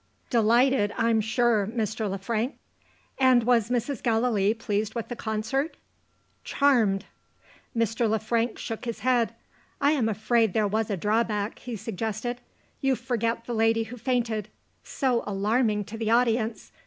"Delighted, I'm sure, Mr. Le Frank." "And was Mrs. Gallilee pleased with the Concert?" "Charmed." Mr. Le Frank shook his head. "I am afraid there was a drawback," he suggested. "You forget the lady who fainted. So alarming to the audience.